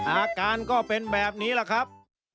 อาการก็เป็นแบบนี้แหละครับ